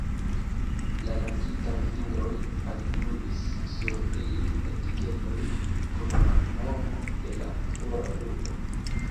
La lakitaj fingroj algluis sur ilin etikedojn kun la nomo de la fora urbo.